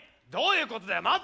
どういうことだよ？